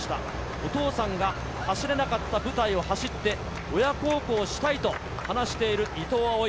お父さんが走れなかった舞台を走って、親孝行したいと話している伊藤蒼唯。